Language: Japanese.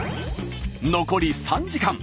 残り３時間。